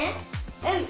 うん！